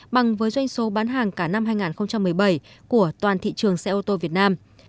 bằng với doanh số bán hàng cả năm hai nghìn một mươi bảy của toàn thị trường xe ô tô việt nam